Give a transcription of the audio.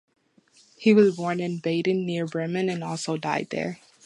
He was born in Baden near Bremen and also died there.